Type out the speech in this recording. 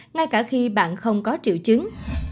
ngay cả khi bạn không có triệu chứng